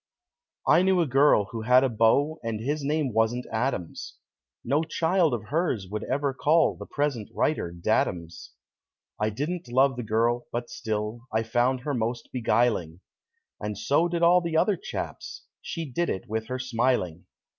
I knew a girl who had a beau And his name wasn't Adams No child of hers would ever call The present writer "daddums." I didn't love the girl, but still I found her most beguiling; And so did all the other chaps She did it with her smiling.